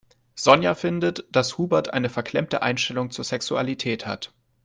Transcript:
Sonja findet, dass Hubert eine verklemmte Einstellung zur Sexualität hat.